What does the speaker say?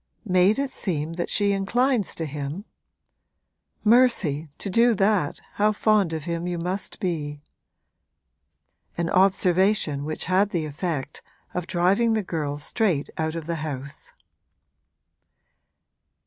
'Made it seem that she inclines to him? Mercy, to do that how fond of him you must be!' An observation which had the effect of driving the girl straight out of the house.